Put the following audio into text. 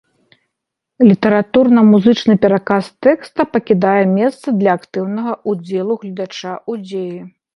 Літаратурна-музычны пераказ тэкста пакідае месца для актыўнага ўдзелу гледача ў дзеі.